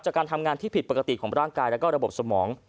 จากการทำงานที่ผิดปกติของร่างกายและระบบสมอง